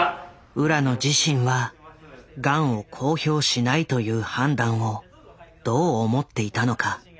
浦野自身はガンを公表しないという判断をどう思っていたのか。